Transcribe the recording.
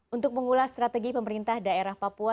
untuk mengulas strategi pemerintah daerah papua